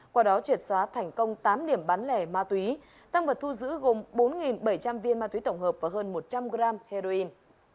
qua đó triệt xóa thành công tám điểm bán lẻ ma túy tăng vật thu giữ gồm bốn bảy trăm linh viên ma túy tổng hợp và hơn một trăm linh g heroin